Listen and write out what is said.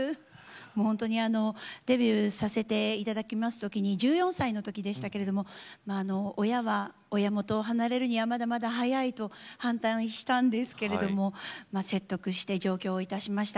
本当にデビューさせていただきますときに１４歳のときでしたけれども親は親元を離れるにはまだまだ早いと反対したんですけれども説得して上京をいたしました。